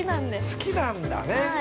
◆好きなんだね。